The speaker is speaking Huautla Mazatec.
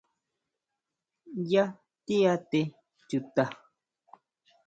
¿Yá tíʼate chuta?